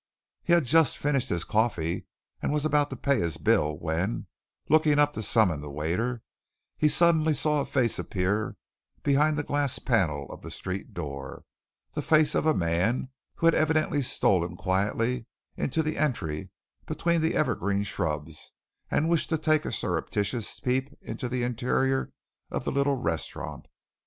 He had just finished his coffee, and was about to pay his bill when, looking up to summon the waiter, he suddenly saw a face appear behind the glass panel of the street door the face of a man who had evidently stolen quietly into the entry between the evergreen shrubs and wished to take a surreptitious peep into the interior of the little restaurant.